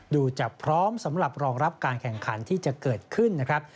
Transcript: จะพร้อมสำหรับรองรับการแข่งขันที่จะเกิดขึ้นนะครับ